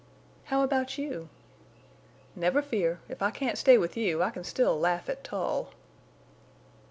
"How about you?" "Never fear. If I can't stay with you I can still laugh at Tull."